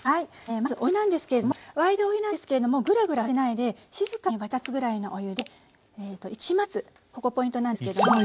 まずお湯なんですけれども沸いてるお湯なんですけれどもグラグラさせないで静かに沸き立つぐらいのお湯で１枚ずつここポイントなんですけど。